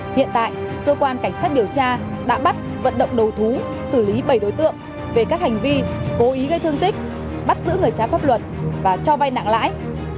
hiện tại cơ quan cảnh sát điều tra đã bắt vận động đầu thú xử lý bảy đối tượng về các hành vi cố ý gây thương tích bắt giữ người trái pháp luật và cho vay nặng lãi